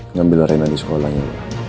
ngambil rena di sekolahnya